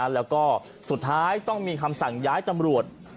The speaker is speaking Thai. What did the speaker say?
แล้วก็สุดท้ายต้องมีคำสั่งย้ายตำรวจ